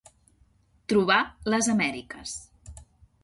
Trobar les Amèriques.